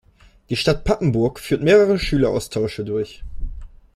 Die Stadt Papenburg führt mehrere Schüleraustausche durch.